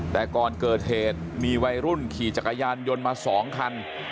แต่ก่อนเกิดเหตุมีวัยรุ่นขี่จักรยานยนต์มา๒คัน